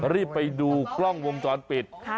รีบไปดูกล้องวงจรปิด